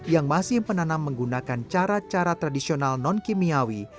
yang masih menanam menggunakan cara cara tradisional non kimiawi